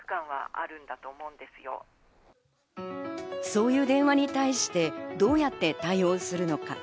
そういう電話に対して、どうやって対応するのか。